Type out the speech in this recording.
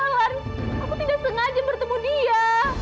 aku tidak sengaja bertemu dia